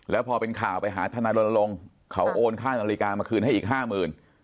แล้วพอเป็นข่าวไปหาทนายรณรงค์เขาโอนค่านาฬิกามาคืนให้อีกห้าหมื่น